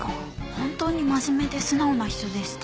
本当に真面目で素直な人でした。